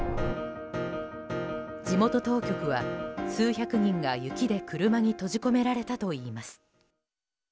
地元当局は数百人が雪で車に閉じ込められたといいます。